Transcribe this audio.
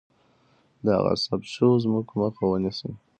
د غصب شوو ځمکو مخه ونیسئ.